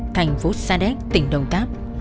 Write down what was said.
thành phố sa đéc tỉnh đồng táp